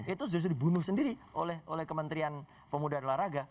itu justru dibunuh sendiri oleh kementerian pemuda dan olahraga